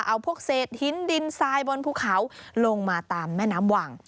เอาพวกเศษหินดินทรายบนภูเขาลงมาตามแม่น้ำวัง